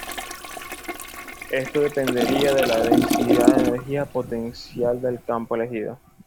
Esto dependería de la densidad de energía potencial del campo "elegido".